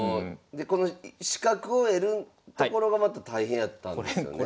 でこの資格を得るところがまた大変やったんですよね？